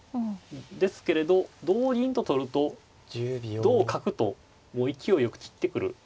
ですけれど同銀と取ると同角ともう勢いよく切ってくる。